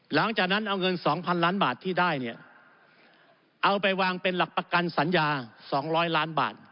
หลังจากนั้นเอาเงิน๒๐๐ล้านบาทที่ได้เนี่ยเอาไปวางเป็นหลักประกันสัญญา๒๐๐ล้านบาท